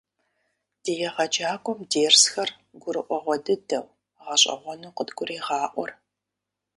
Ди егъэджакӀуэм дерсхэр гурыӀуэгъуэ дыдэу, гъэщӀэгъуэну къыдгурегъаӀуэр.